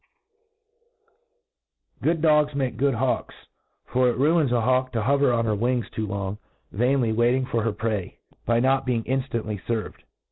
'^ Good 132 A T RE ATISE OP Good dogs make good hawks ; fdr it ruins a hawk to hover on her wings too long, vainly waiting for her prey, by not being inftantly fer vcd..